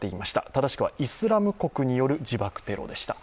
正しくはイスラム国による自爆テロでした。